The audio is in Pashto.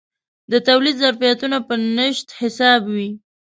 د تولید ظرفیتونه په نشت حساب وي.